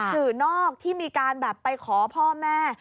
สื่อนอกที่มีการแบบไปขอพ่อแม่